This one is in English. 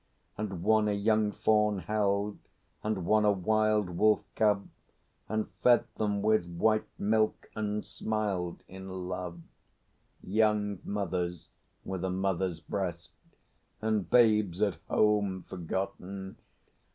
And one a young fawn held, and one a wild Wolf cub, and fed them with white milk, and smiled In love, young mothers with a mother's breast And babes at home forgotten!